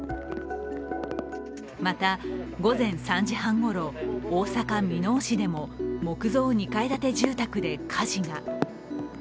また午前３時半ごろ、大阪・箕面市で木造２階建て住宅で火事が。